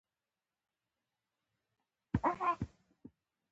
په افغانستان کې آب وهوا د خلکو د ژوند په کیفیت تاثیر کوي.